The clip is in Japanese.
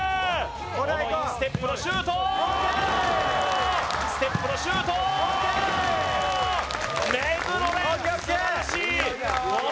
このインステップのシュートインステップのシュート目黒蓮素晴らしいＯＫＯＫ